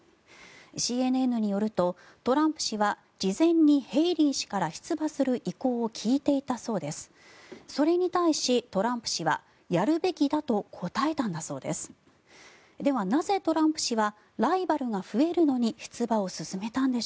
ＣＮＮによるとトランプ氏は事前にヘイリー氏から出馬する意向を聞いていたそうです。